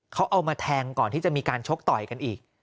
เขาเอามาแทงก่อนที่จะมีการชกต่อยกันอีก